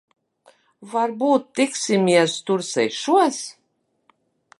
Varbūt tiksimies tur sešos?